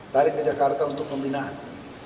lari ke jakarta untuk pembinaan